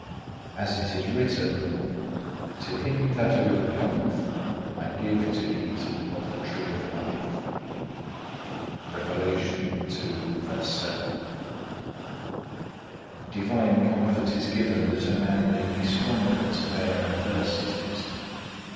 As it is written, To him that overcometh I will give to eat of the tree of life.(3) 8. Divine comfort is given that a man may be stronger to bear adversities.